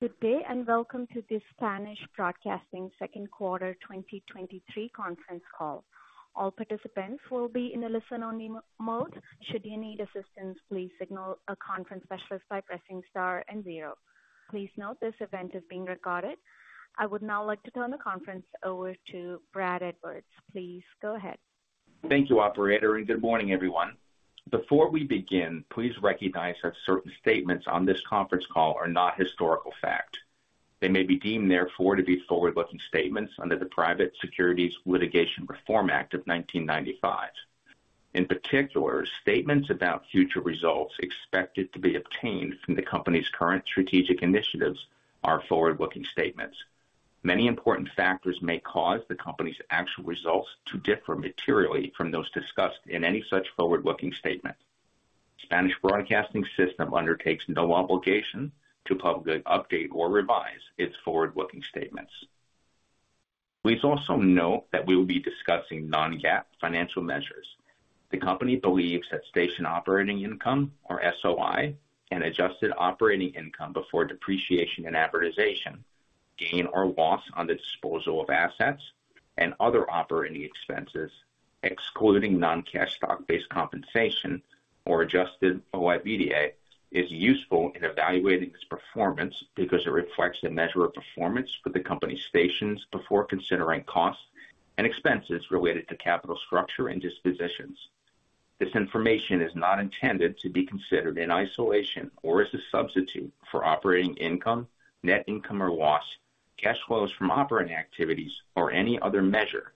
Good day, and welcome to the Spanish Broadcasting System second quarter 2023 conference call. All participants will be in a listen-only mode. Should you need assistance, please signal a conference specialist by pressing star and zero. Please note, this event is being recorded. I would now like to turn the conference over to Brad Edwards. Please go ahead. Thank you, operator, and good morning, everyone. Before we begin, please recognize that certain statements on this conference call are not historical fact. They may be deemed, therefore, to be forward-looking statements under the Private Securities Litigation Reform Act of 1995. In particular, statements about future results expected to be obtained from the company's current strategic initiatives are forward-looking statements. Many important factors may cause the company's actual results to differ materially from those discussed in any such forward-looking statement. Spanish Broadcasting System undertakes no obligation to publicly update or revise its forward-looking statements. Please also note that we will be discussing non-GAAP financial measures. The company believes that station operating income, or SOI, and adjusted operating income before depreciation and amortization, gain or loss on the disposal of assets and other operating expenses, excluding non-cash stock-based compensation or adjusted OIBDA, is useful in evaluating its performance because it reflects the measure of performance for the company's stations before considering costs and expenses related to capital structure and dispositions. This information is not intended to be considered in isolation or as a substitute for operating income, net income or loss, cash flows from operating activities, or any other measure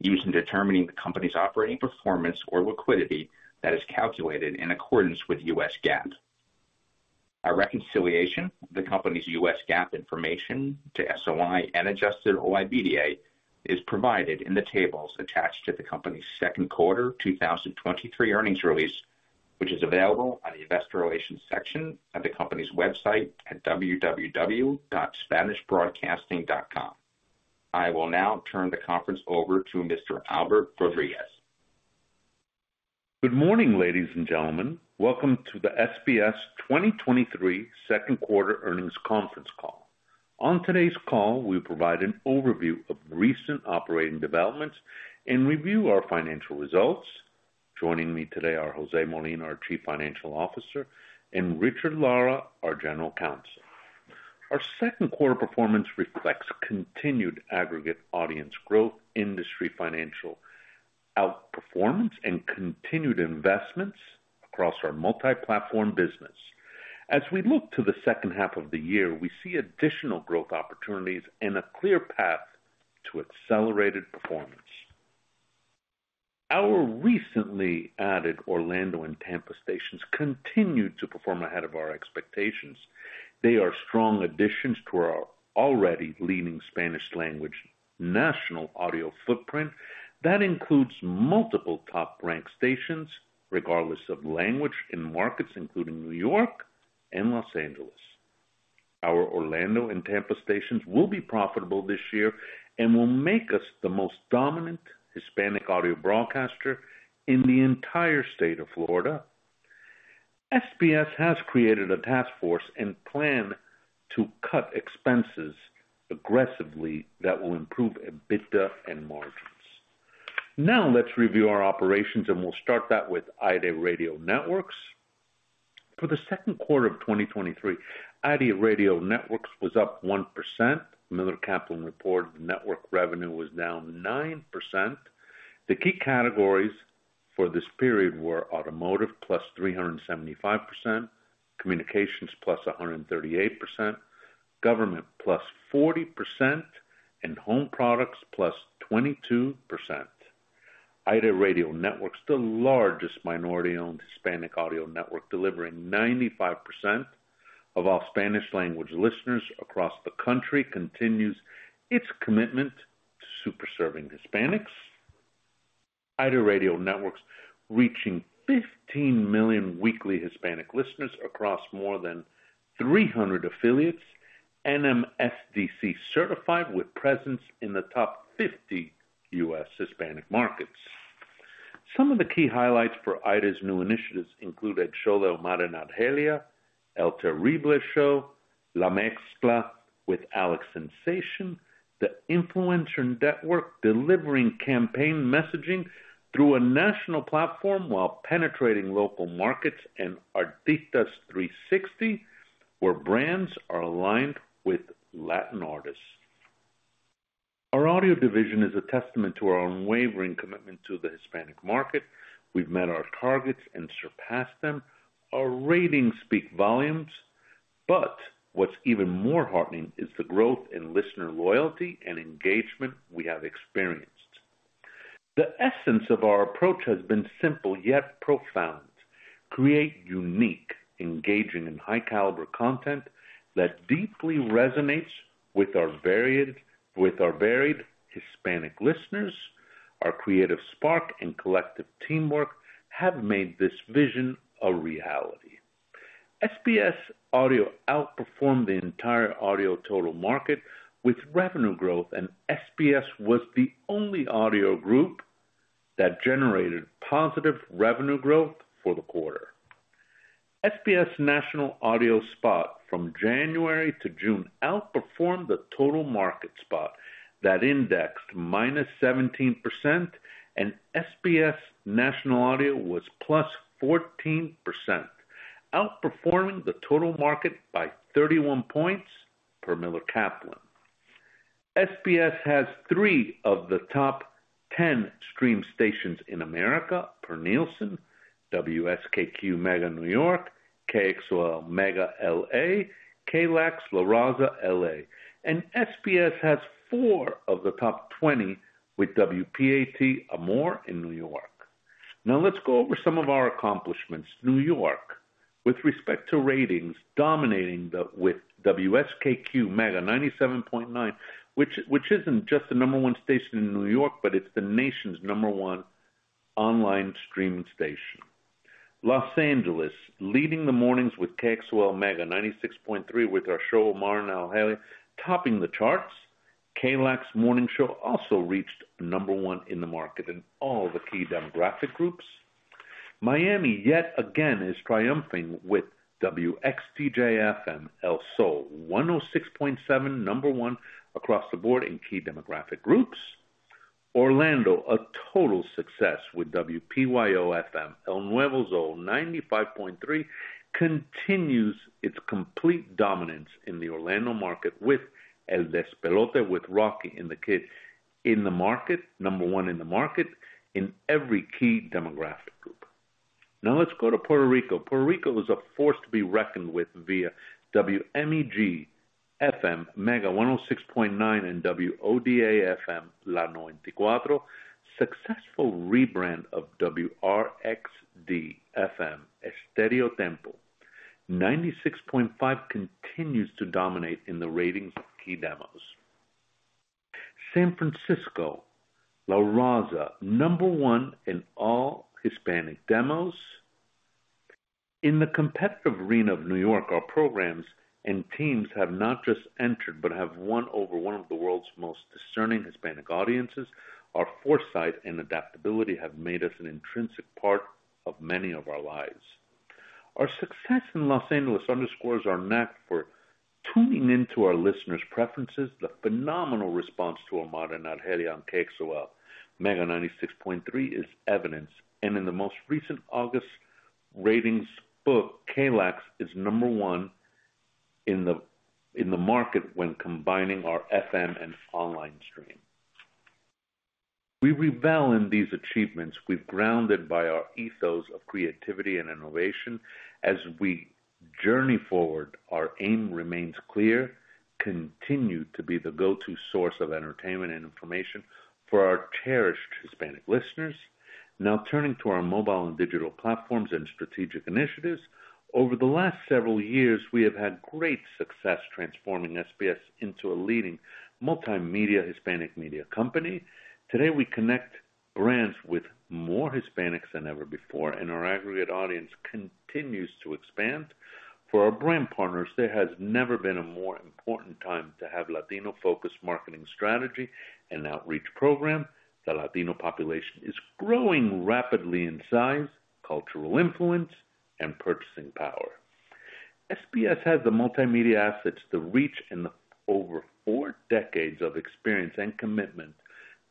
used in determining the company's operating performance or liquidity that is calculated in accordance with U.S. GAAP. A reconciliation of the company's U.S. GAAP information to SOI and adjusted OIBDA is provided in the tables attached to the company's second quarter 2023 earnings release, which is available on the Investor Relations section of the company's website at www.spanishbroadcasting.com. I will now turn the conference over to Mr. Albert Rodriguez. Good morning, ladies and gentlemen. Welcome to the SBS 2023 second quarter earnings conference call. On today's call, we'll provide an overview of recent operating developments and review our financial results. Joining me today are José Molina, our Chief Financial Officer, and Richard D. Lara, our General Counsel. Our second quarter performance reflects continued aggregate audience growth, industry financial outperformance, and continued investments across our multi-platform business. As we look to the second half of the year, we see additional growth opportunities and a clear path to accelerated performance. Our recently added Orlando and Tampa stations continued to perform ahead of our expectations. They are strong additions to our already leading Spanish language national audio footprint. That includes multiple top-ranked stations, regardless of language, in markets including New York and Los Angeles. Our Orlando and Tampa stations will be profitable this year and will make us the most dominant Hispanic audio broadcaster in the entire state of Florida. SBS has created a task force and plan to cut expenses aggressively that will improve EBITDA and margins. Now, let's review our operations, and we'll start that with AIRE Radio Networks. For the second quarter of 2023, AIRE Radio Networks was up 1%. Miller Kaplan reported network revenue was down 9%. The key categories for this period were automotive, +375%, communications, +138%, government, +40%, and home products, +22%. AIRE Radio Networks, the largest minority-owned Hispanic audio network, delivering 95% of all Spanish language listeners across the country, continues its commitment to super serving Hispanics. AIRE Radio Networks, reaching 15 million weekly Hispanic listeners across more than 300 affiliates, NMSDC certified, with presence in the top 50 U.S. Hispanic markets. Some of the key highlights for AIRE's new initiatives include El Show de Omar y Argelia, El Terrible Show, La Mezcla with Alex Sensation, the Influencer Network, delivering campaign messaging through a national platform while penetrating local markets, and Artistas 360, where brands are aligned with Latin artists. Our audio division is a testament to our unwavering commitment to the Hispanic market. We've met our targets and surpassed them. Our ratings speak volumes, but what's even more heartening is the growth in listener loyalty and engagement we have experienced. The essence of our approach has been simple, yet profound: create unique, engaging, and high caliber content that deeply resonates with our varied Hispanic listeners. Our creative spark and collective teamwork have made this vision a reality. SBS Audio outperformed the entire audio total market with revenue growth, and SBS was the only audio group that generated positive revenue growth for the quarter. SBS National Audio Spot from January to June outperformed the total market spot that indexed -17%, and SBS National Audio was +14%, outperforming the total market by 31 points per Miller Kaplan. SBS has three of the top 10 stream stations in America per Nielsen: WSKQ Mega New York, KXOL Mega LA, KLAX La Raza LA, and SBS has four of the top 20, with WPAT Amor in New York. Now, let's go over some of our accomplishments. New York, with respect to ratings, dominating the, with WSKQ Mega 97.9, which isn't just the number one station in New York, but it's the nation's number one online streaming station. Los Angeles, leading the mornings with KXOL Mega 96.3, with our show, Omar y Argelia topping the charts. KLAX Morning Show also reached number one in the market in all the key demographic groups. Miami, yet again, is triumphing with WXDJ-FM El Zol 106.7, number one across the board in key demographic groups. Orlando, a total success with WPYO FM El Nuevo Zol 95.3, continues its complete dominance in the Orlando market with El Despelote, with Rocky and the Kid. In the market, number one in the market, in every key demographic group. Now let's go to Puerto Rico. Puerto Rico is a force to be reckoned with via WMEG FM, Mega 106.9 and WODA FM, La Noventa y Cuatro. Successful rebrand of WRXD FM, Estereotempo, 96.5 continues to dominate in the ratings of key demos. San Francisco, La Raza, number one in all Hispanic demos. In the competitive arena of New York, our programs and teams have not just entered, but have won over one of the world's most discerning Hispanic audiences. Our foresight and adaptability have made us an intrinsic part of many of our lives. Our success in Los Angeles underscores our knack for tuning into our listeners' preferences. The phenomenal response to Omar y Argelia on KXOL Mega 96.3 is evidence, and in the most recent August ratings book, KLAX is number one in the market when combining our FM and online stream. We revel in these achievements. We're grounded by our ethos of creativity and innovation. As we journey forward, our aim remains clear: continue to be the go-to source of entertainment and information for our cherished Hispanic listeners. Now, turning to our mobile and digital platforms and strategic initiatives. Over the last several years, we have had great success transforming SBS into a leading multimedia Hispanic media company. Today, we connect brands with more Hispanics than ever before, and our aggregate audience continues to expand. For our brand partners, there has never been a more important time to have Latino-focused marketing strategy and outreach program. The Latino population is growing rapidly in size, cultural influence, and purchasing power. SBS has the multimedia assets, the reach, and the over four decades of experience and commitment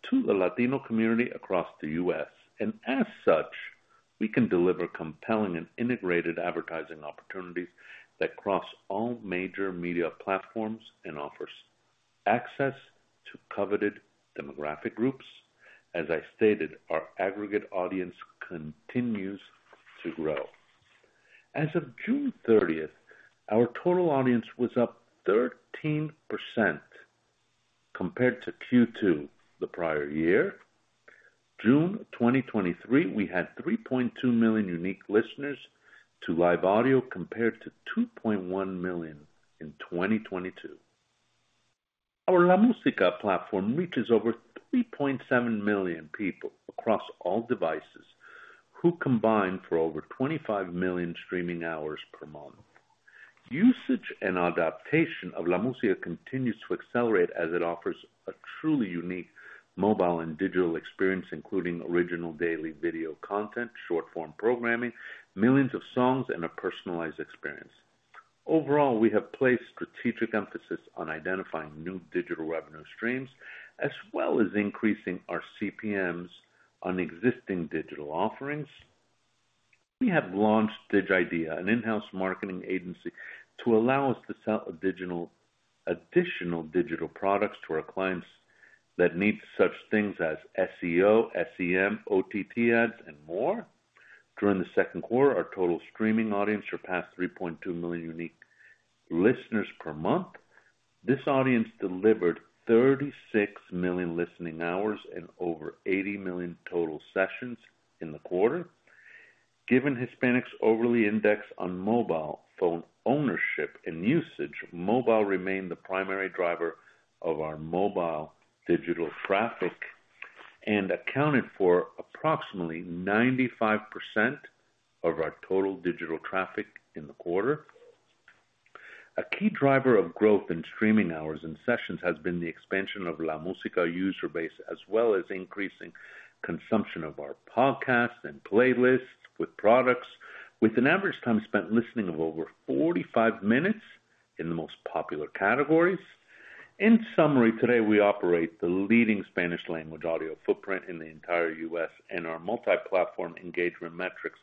to the Latino community across the U.S. As such, we can deliver compelling and integrated advertising opportunities that cross all major media platforms and offers access to coveted demographic groups. As I stated, our aggregate audience continues to grow. As of June thirtieth, our total audience was up 13% compared to Q2 the prior year. June 2023, we had 3.2 million unique listeners to live audio, compared to 2.1 million in 2022. Our LaMusica platform reaches over 3.7 million people across all devices, who combine for over 25 million streaming hours per month. Usage and adaptation of LaMusica continues to accelerate as it offers a truly unique mobile and digital experience, including original daily video content, short-form programming, millions of songs, and a personalized experience. Overall, we have placed strategic emphasis on identifying new digital revenue streams, as well as increasing our CPMs on existing digital offerings. We have launched DigIdea, an in-house marketing agency, to allow us to sell additional digital products to our clients that need such things as SEO, SEM, OTT ads, and more. During the second quarter, our total streaming audience surpassed 3.2 million unique listeners per month. This audience delivered 36 million listening hours and over 80 million total sessions in the quarter. Given Hispanics overly index on mobile phone ownership and usage, mobile remained the primary driver of our mobile digital traffic and accounted for approximately 95% of our total digital traffic in the quarter. A key driver of growth in streaming hours and sessions has been the expansion of LaMusica user base, as well as increasing consumption of our podcasts and playlists with products, with an average time spent listening of over 45 minutes in the most popular categories. In summary, today, we operate the leading Spanish language audio footprint in the entire U.S., and our multi-platform engagement metrics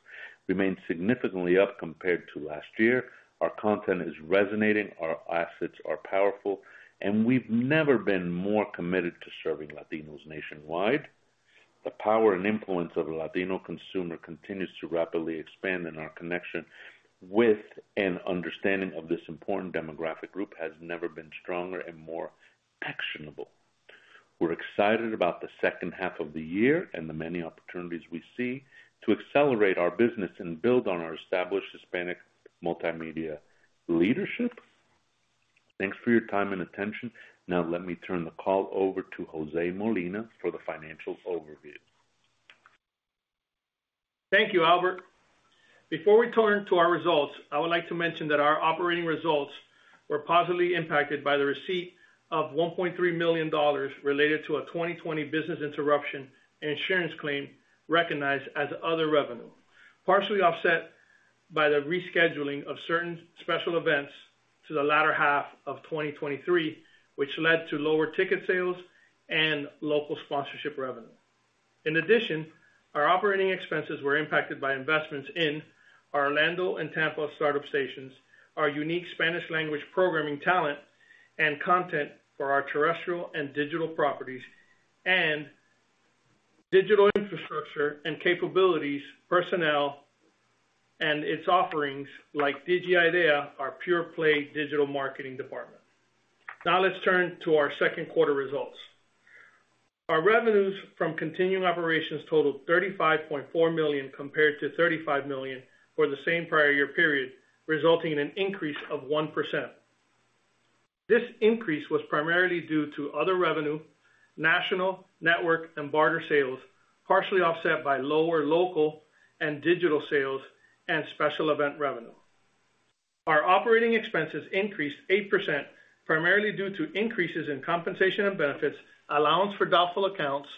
remain significantly up compared to last year. Our content is resonating, our assets are powerful, and we've never been more committed to serving Latinos nationwide. The power and influence of the Latino consumer continues to rapidly expand, and our connection with and understanding of this important demographic group has never been stronger and more actionable. We're excited about the second half of the year and the many opportunities we see to accelerate our business and build on our established Hispanic multimedia leadership. Thanks for your time and attention. Now, let me turn the call over to José Molina for the financial overview. Thank you, Albert. Before we turn to our results, I would like to mention that our operating results were positively impacted by the receipt of $1.3 million related to a 2020 business interruption and insurance claim recognized as other revenue, partially offset by the rescheduling of certain special events to the latter half of 2023, which led to lower ticket sales and local sponsorship revenue. In addition, our operating expenses were impacted by investments in our Orlando and Tampa startup stations, our unique Spanish language programming, talent and content for our terrestrial and digital properties, and digital infrastructure and capabilities, personnel, and its offerings like DigIdea, our pure play digital marketing department. Now, let's turn to our second quarter results. Our revenues from continuing operations totaled $35.4 million, compared to $35 million for the same prior year period, resulting in an increase of 1%. This increase was primarily due to other revenue, national, network, and barter sales, partially offset by lower local and digital sales and special event revenue. Our operating expenses increased 8%, primarily due to increases in compensation and benefits, allowance for doubtful accounts,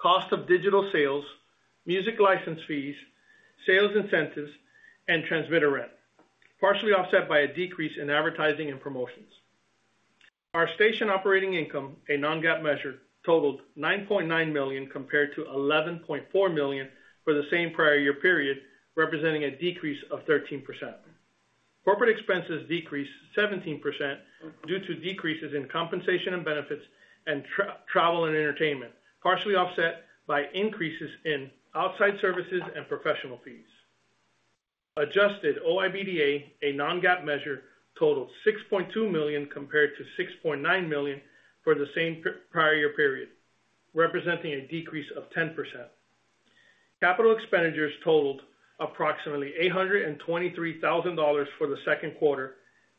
cost of digital sales, music license fees, sales incentives, and transmitter rent, partially offset by a decrease in advertising and promotions. Our station operating income, a non-GAAP measure, totaled $9.9 million compared to $11.4 million for the same prior year period, representing a decrease of 13%. Corporate expenses decreased 17% due to decreases in compensation and benefits and travel and entertainment, partially offset by increases in outside services and professional fees. Adjusted OIBDA, a non-GAAP measure, totaled $6.2 million, compared to $6.9 million for the same prior year period, representing a decrease of 10%. Capital expenditures totaled approximately $823,000 for the second quarter.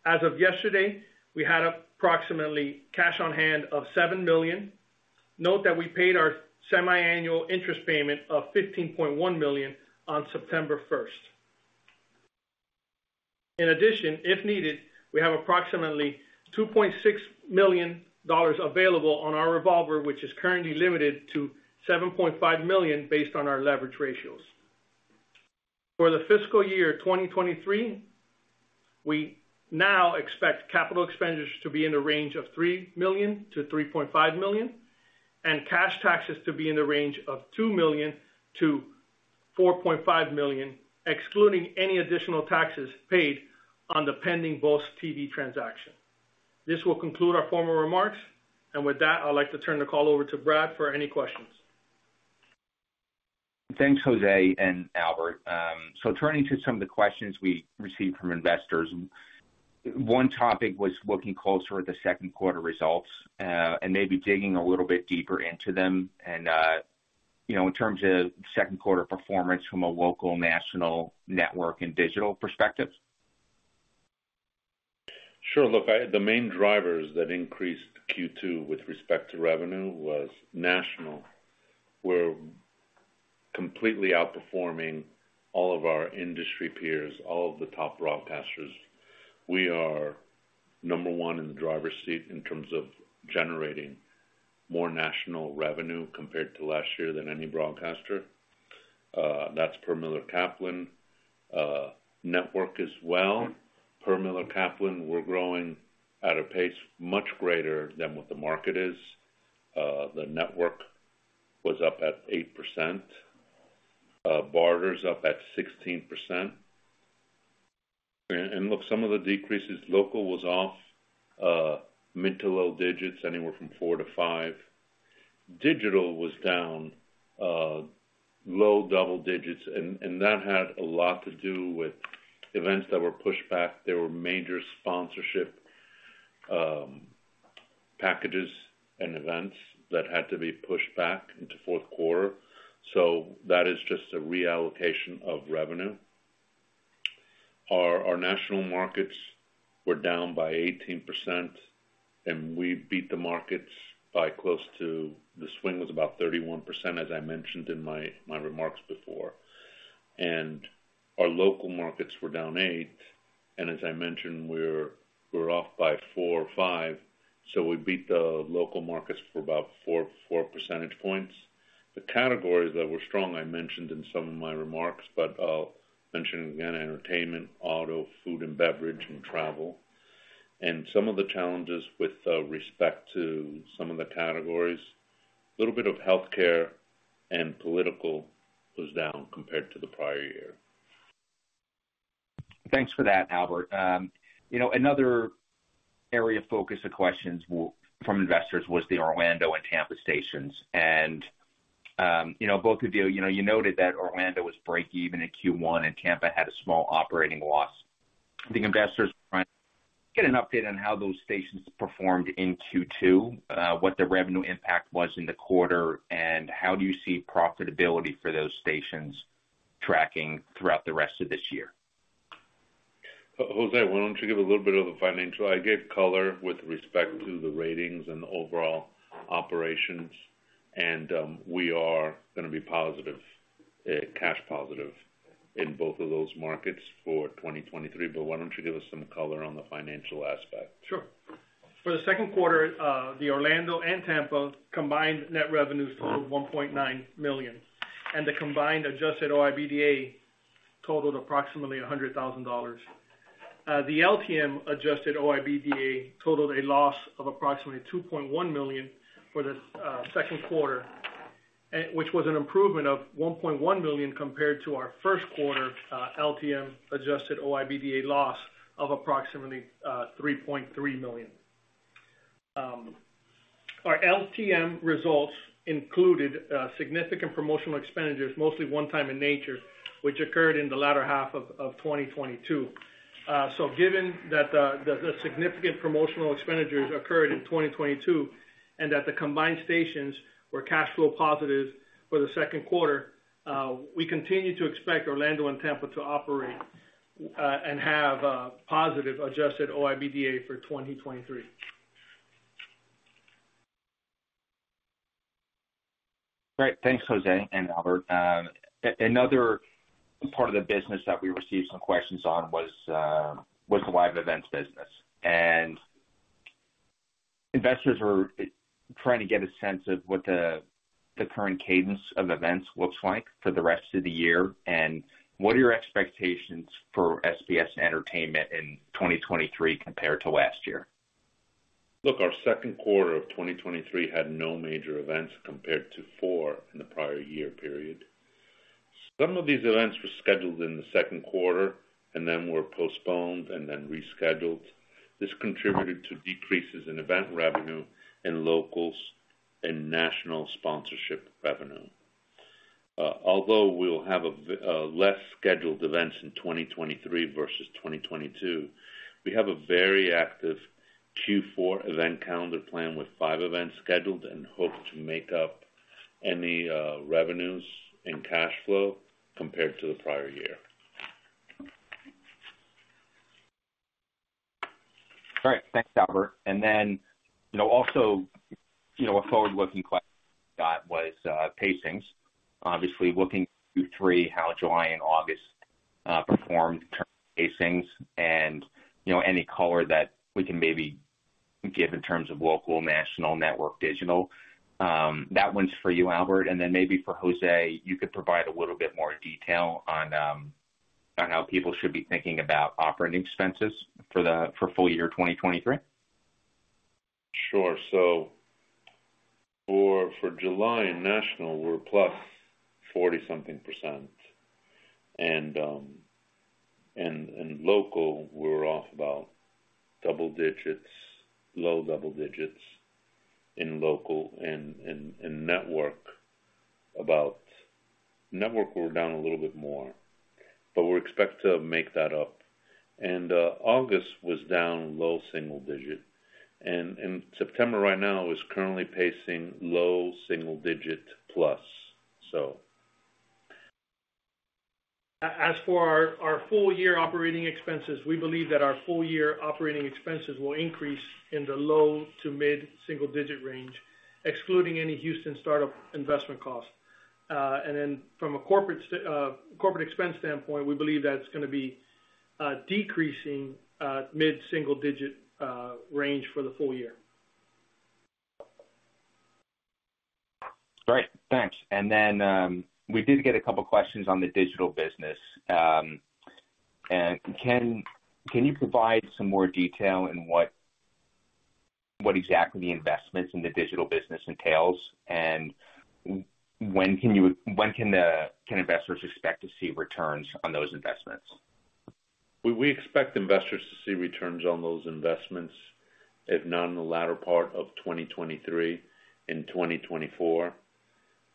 As of yesterday, we had approximately cash on hand of $7 million. Note that we paid our semiannual interest payment of $15.1 million on September first. In addition, if needed, we have approximately $2.6 million available on our revolver, which is currently limited to $7.5 million, based on our leverage ratios. For the fiscal year 2023, we now expect capital expenditures to be in the range of $3 million-$3.5 million, and cash taxes to be in the range of $2 million-$4.5 million, excluding any additional taxes paid on the pending Mega TV transaction. This will conclude our formal remarks, and with that, I'd like to turn the call over to Brad for any questions. Thanks, José and Albert. So turning to some of the questions we received from investors, one topic was looking closer at the second quarter results, and maybe digging a little bit deeper into them and, you know, in terms of second quarter performance from a local, national, network, and digital perspective. Sure. Look, I, the main drivers that increased Q2 with respect to revenue was national. We're completely outperforming all of our industry peers, all of the top broadcasters. We are number one in the driver's seat in terms of generating more national revenue compared to last year than any broadcaster. That's per Miller Kaplan. Network as well, per Miller Kaplan, we're growing at a pace much greater than what the market is. The network was up 8%. Barter is up 16%. And, and look, some of the decreases, local was off, mid to low digits, anywhere from 4-5. Digital was down, low double digits, and, and that had a lot to do with events that were pushed back. There were major sponsorship packages and events that had to be pushed back into fourth quarter. So that is just a reallocation of revenue. Our national markets were down by 18%.... and we beat the markets by close to, the swing was about 31%, as I mentioned in my remarks before. And our local markets were down 8%, and as I mentioned, we're off by 4 or 5, so we beat the local markets by about 4 percentage points. The categories that were strong, I mentioned in some of my remarks, but I'll mention them again: entertainment, auto, food and beverage, and travel. And some of the challenges with respect to some of the categories, a little bit of healthcare and political was down compared to the prior year. Thanks for that, Albert. You know, another area of focus or questions from investors was the Orlando and Tampa stations. You know, both of you, you know, you noted that Orlando was break even in Q1, and Tampa had a small operating loss. I think investors are trying to get an update on how those stations performed in Q2, what the revenue impact was in the quarter, and how do you see profitability for those stations tracking throughout the rest of this year? José, why don't you give a little bit of a financial? I gave color with respect to the ratings and the overall operations, and, we are gonna be positive, cash positive in both of those markets for 2023. But why don't you give us some color on the financial aspect? Sure. For the second quarter, the Orlando and Tampa combined net revenues totaled $1.9 million, and the combined adjusted OIBDA totaled approximately $100,000. The LTM adjusted OIBDA totaled a loss of approximately $2.1 million for the second quarter, which was an improvement of $1.1 million compared to our first quarter LTM adjusted OIBDA loss of approximately $3.3 million. Our LTM results included significant promotional expenditures, mostly one-time in nature, which occurred in the latter half of 2022. So given that, the significant promotional expenditures occurred in 2022, and that the combined stations were cash flow positive for the second quarter, we continue to expect Orlando and Tampa to operate and have a positive adjusted OIBDA for 2023. Great. Thanks, José and Albert. Another part of the business that we received some questions on was the live events business. Investors are trying to get a sense of what the current cadence of events looks like for the rest of the year, and what are your expectations for SBS Entertainment in 2023 compared to last year? Look, our second quarter of 2023 had no major events compared to 4 in the prior year period. Some of these events were scheduled in the second quarter and then were postponed and then rescheduled. This contributed to decreases in event revenue and locals and national sponsorship revenue. Although we'll have a very less scheduled events in 2023 versus 2022, we have a very active Q4 event calendar plan, with 5 events scheduled and hope to make up any revenues and cash flow compared to the prior year. All right. Thanks, Albert. And then, you know, also, you know, a forward-looking question got was, pacings. Obviously, looking through three, how July and August performed pacings and, you know, any color that we can maybe give in terms of local, national, network, digital. That one's for you, Albert, and then maybe for José, you could provide a little bit more detail on, on how people should be thinking about operating expenses for the... for full year 2023. Sure. So for July, national, we're +40-something percent. And local, we're off about double digits, low double digits in local and network about... Network, we're down a little bit more, but we're expected to make that up. August was down low single-digit. And September right now is currently pacing low single-digit plus, so. As for our full year operating expenses, we believe that our full year operating expenses will increase in the low- to mid-single-digit range, excluding any Houston start-up investment costs. And then from a corporate expense standpoint, we believe that's gonna be decreasing mid-single-digit range for the full year. Great, thanks. Then, we did get a couple questions on the digital business. And can you provide some more detail on what exactly the investments in the digital business entails, and when can investors expect to see returns on those investments? We expect investors to see returns on those investments, if not in the latter part of 2023, in 2024.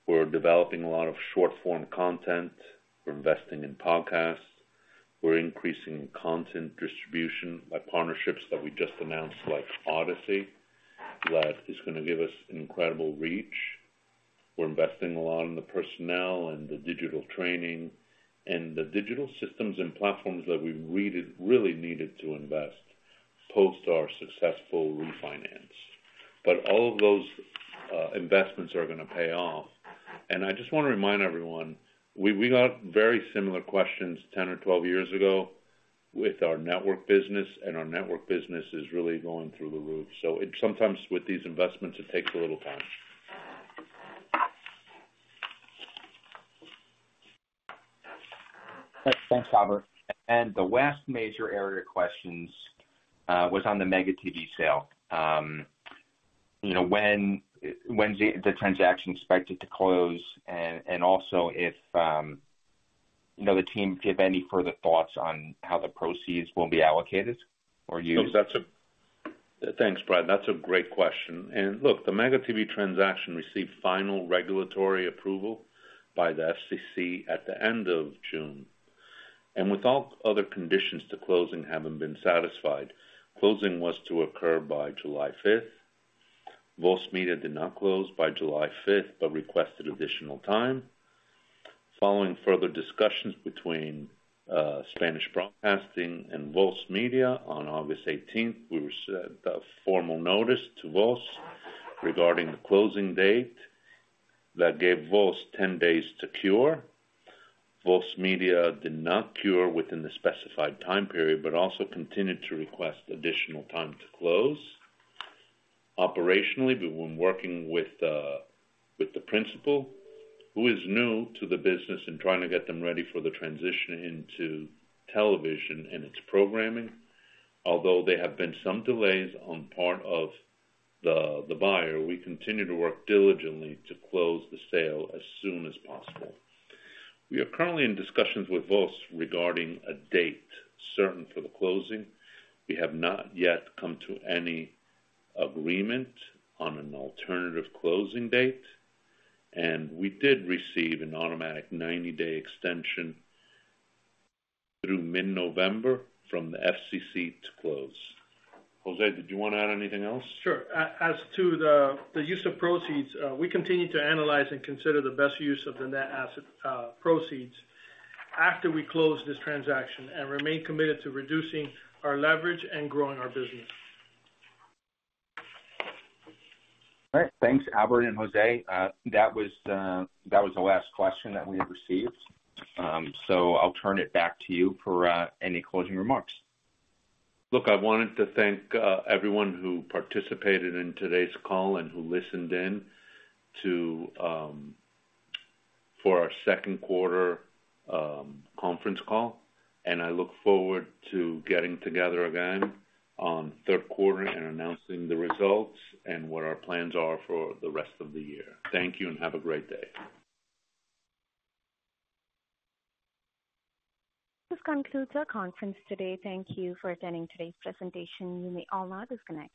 We're developing a lot of short-form content. We're investing in podcasts. We're increasing content distribution by partnerships that we just announced, like Audacy, that is gonna give us incredible reach... We're investing a lot in the personnel and the digital training and the digital systems and platforms that we really, really needed to invest post our successful refinance. But all of those investments are gonna pay off. And I just wanna remind everyone, we got very similar questions 10 or 12 years ago with our network business, and our network business is really going through the roof. So it sometimes, with these investments, it takes a little time. Thanks, Albert. And the last major area of questions was on the Mega TV sale. You know, when's the transaction expected to close? And also, if you know, the team give any further thoughts on how the proceeds will be allocated or used? Look, that's—Thanks, Brad. That's a great question. And look, the Mega TV transaction received final regulatory approval by the FCC at the end of June, and with all other conditions to closing having been satisfied, closing was to occur by July fifth. Voz Media did not close by July fifth, but requested additional time. Following further discussions between Spanish Broadcasting and Voz Media, on August eighteenth, we received a formal notice to Voz regarding the closing date that gave Voz ten days to cure. Voz Media did not cure within the specified time period, but also continued to request additional time to close. Operationally, we've been working with the principal, who is new to the business and trying to get them ready for the transition into television and its programming. Although there have been some delays on part of the buyer, we continue to work diligently to close the sale as soon as possible. We are currently in discussions with Voz regarding a date certain for the closing. We have not yet come to any agreement on an alternative closing date, and we did receive an automatic 90-day extension through mid-November from the FCC to close. José, did you wanna add anything else? Sure. As to the use of proceeds, we continue to analyze and consider the best use of the net asset proceeds after we close this transaction and remain committed to reducing our leverage and growing our business. All right. Thanks, Albert and José. That was the last question that we received. So I'll turn it back to you for any closing remarks. Look, I wanted to thank everyone who participated in today's call and who listened in to for our second quarter conference call. I look forward to getting together again on third quarter and announcing the results and what our plans are for the rest of the year. Thank you, and have a great day. This concludes our conference today. Thank you for attending today's presentation. You may all now disconnect.